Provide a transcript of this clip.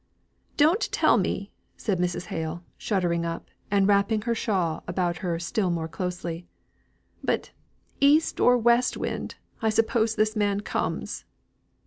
"Don't tell me!" said Mrs. Hale, shuddering up, and wrapping her shawl about her still more closely. "But, east or west wind, I suppose this man comes."